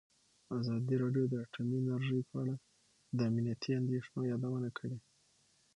ازادي راډیو د اټومي انرژي په اړه د امنیتي اندېښنو یادونه کړې.